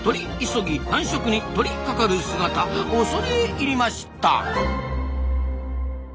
急ぎ繁殖に「とり」かかる姿恐れ入りました！